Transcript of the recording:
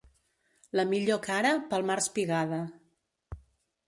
La millor cara, pel març pigada.